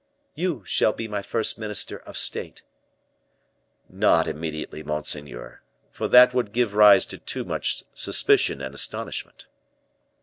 "You shall be my first minister of state." "Not immediately, monseigneur, for that would give rise to too much suspicion and astonishment."